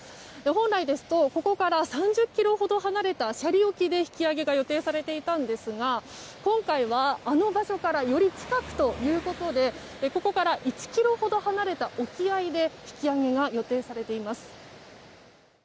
本来ですとここから３０ｋｍほど離れた斜里沖で引き揚げが予定されていたんですが今回はあの場所からより近くということでここから１ｋｍほど離れた沖合で引き揚げが予定されています。